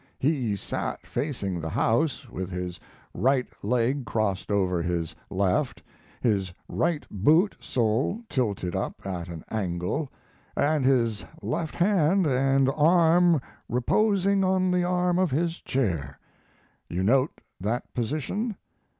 He sat facing the house, with his right leg crossed over his left, his right boot sole tilted up at an angle, and his left hand and arm reposing on the arm of his chair. You note that position?